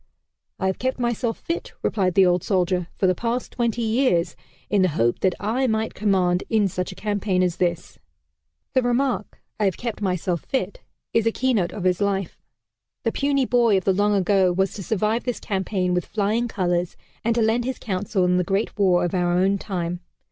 "I have kept myself fit," replied the old soldier, "for the past twenty years, in the hope that I might command in such a campaign as this." The remark, "I have kept myself fit," is a keynote of his life. The puny boy of the long ago was to survive this campaign with flying colors, and to lend his counsel in the Great War of our own time.